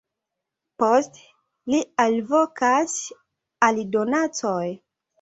Poste, li alvokas al donacoj.